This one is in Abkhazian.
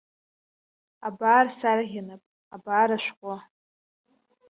Абар сарӷьа нап, абар ашәҟәы.